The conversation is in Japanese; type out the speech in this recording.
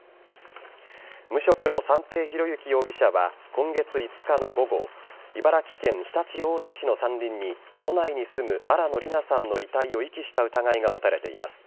無職の三瓶博幸容疑者は今月５日の午後茨城県常陸太田市の山林に都内に住む新野りなさんの遺体を遺棄した疑いが持たれています。